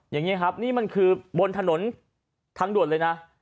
อย่างนี้ครับนี่มันคือบนถนนทางด่วนเลยนะ